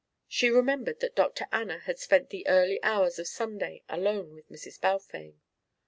She remembered that Dr. Anna had spent the early hours of Sunday alone with Mrs. Balfame.